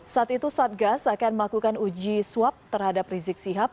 saat itu satgas akan melakukan uji swab terhadap rizik sihab